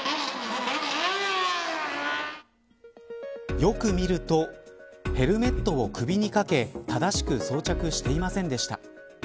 よく見るとヘルメットを首にかけ正しく装着していませんでした。